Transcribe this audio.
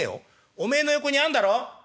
「お前の横にあんだろ？」。